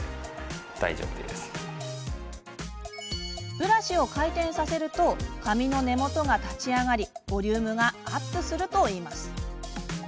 ブラシを回転させると髪の根元が立ち上がりボリュームがアップするといいます。